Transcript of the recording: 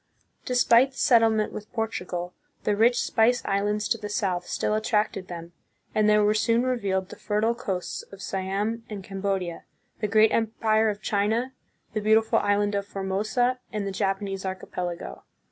Despite the settlement with Portugal, the rich Spice Islands to the south still attracted them, and there were soon revealed the fertile coasts of Siam and Cambodia, the great empire of China, the beautiful island of Formosa, and the Japanese archipelago.